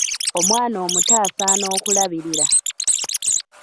Omwana omuto asaana okulabirira.